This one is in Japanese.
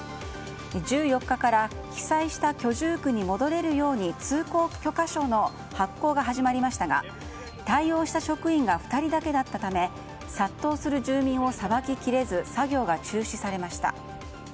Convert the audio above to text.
１４日から被災した居住区に戻れるように通行許可証の発行が始まりましたが対応した職員が２人だけだったため殺到する住民をさばききれず作業が中止されました。